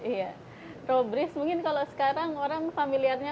iya robris mungkin kalau sekarang orang familiarnya